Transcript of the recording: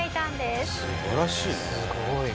すごい。